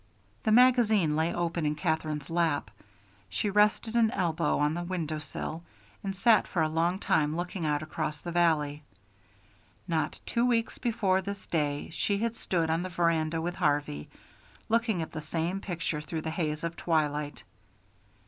The magazine lay open in Katherine's lap. She rested an elbow on the window sill and sat for a long time looking out across the valley. Not two weeks before this day she had stood on the veranda with Harvey, looking at the same picture through the haze of twilight.